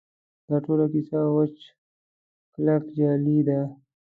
دا ټوله کیسه وچ کلک جعل دی.